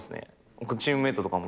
僕、チームメートとかも。